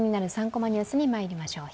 ３コマニュース」にまいりましょう。